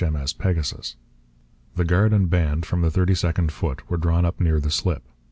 M.S. Pegasus. The guard and band from the 32nd Foot were drawn up near the slip.